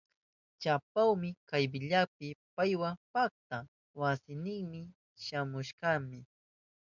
Chapamuy kayllapi paywa pakta wasinima shamunaykipa.